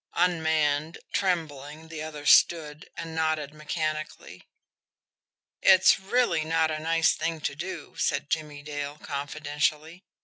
Unmanned, trembling, the other stood and nodded mechanically. "It's really not a nice thing to do," said Jimmie Dale confidentially.